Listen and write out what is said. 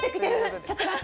ちょっと待って。